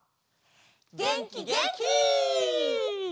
げんきげんき！